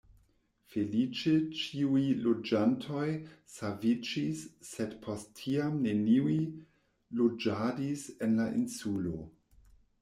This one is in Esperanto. Feliĉe ĉiuj loĝantoj saviĝis sed post tiam neniuj loĝadis en la insulo.